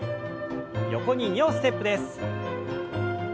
横に２歩ステップです。